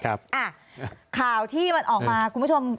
ข่าวที่มันออกมาคุณผู้ชม